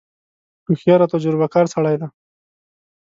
هوښیار او تجربه کار سړی دی.